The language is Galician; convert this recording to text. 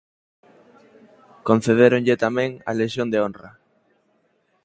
Concedéronlle tamén a Lexión de honra.